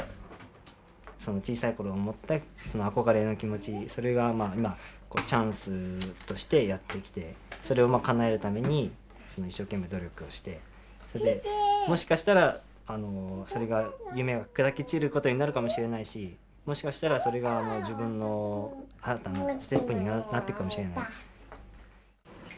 小さい頃思った憧れの気持ちそれが今チャンスとしてやって来てそれをかなえるために一生懸命努力をしてもしかしたら夢が砕け散る事になるかもしれないしもしかしたら自分の新たなステップになっていくかもしれない。